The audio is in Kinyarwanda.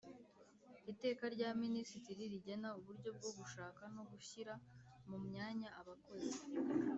Iteka rya Minisitiri rigena uburyo bwo gushaka no gushyira mu myanya Abakozi